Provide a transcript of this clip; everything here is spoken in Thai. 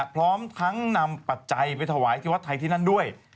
พร้อมทั้งนำปัจจัยไปถวายที่วัดไทยที่นั่นด้วย